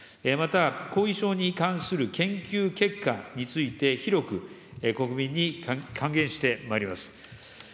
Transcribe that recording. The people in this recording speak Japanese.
また、後遺症に関する研究結果について、広く国民に還元してまいります。